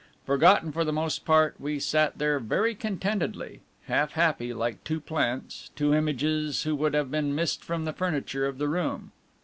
Forgotten for the most part, we sat there very contentedly; half happy, like two plants, two images who would have been missed from the furniture of the room.